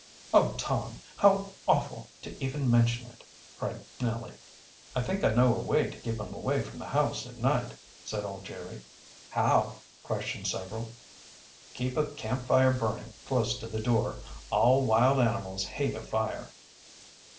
"Oh, Tom, how awful to even mention it!" cried Nellie. "I think I know a way to keep 'em away from the house at night," said old Jerry. "How?" questioned several. "Keep a camp fire burning close to the door. All wild animals hate a fire."